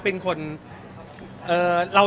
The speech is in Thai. สวัสดีครับ